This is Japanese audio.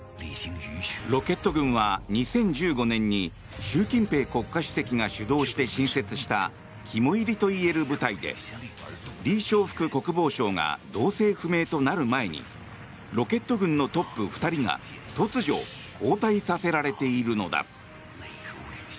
ロケット軍は２０１５年に習近平国家主席が主導して新設した肝煎りといえる部隊でリ・ショウフク国防相が動静不明となる前にロケット軍のトップ２人が突如、交代させられているのだ。